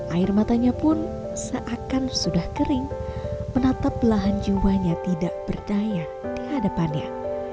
air matanya pun seakan sudah kering menatap belahan jiwanya tidak berdaya di hadapannya